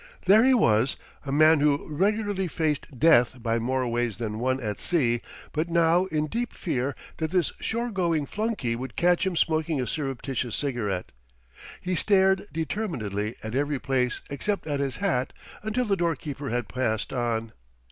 There he was, a man who regularly faced death by more ways than one at sea, but now in deep fear that this shore going flunky would catch him smoking a surreptitious cigarette. He stared determinedly at every place except at his hat until the doorkeeper had passed on.